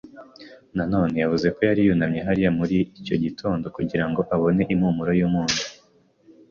na none. Yavuze ko yari yunamye hariya muri icyo gitondo, kugira ngo abone impumuro y'umunyu.